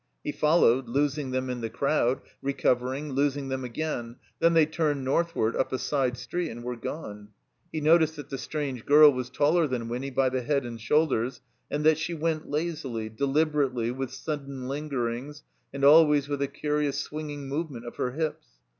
He followed, losing them in the crowd, recovering, losing them again; then they turned northward up a side street and were gone. He noticed that the strange girl was taller than Winny by the head and shoulders, and that she went lazily, deliberately, with sudden Ungerings, and always with a ouious swinging movement of her hips.